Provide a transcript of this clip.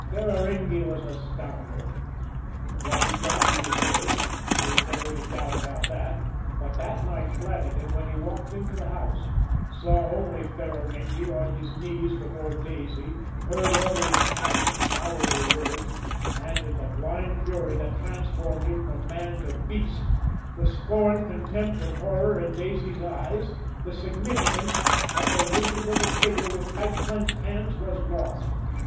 Ferraringi was a scoundrel what he got he deserved, there was never any doubt about that; but that night Flannagan, when he walked into the house, saw only Ferraringi on his knees before Daisy, heard only impassioned, flowery words, and, in the blind fury that transformed him from man to beast, the scorn, contempt and horror in Daisy's eyes, the significance of the rigid little figure with tight clenched hands, was lost.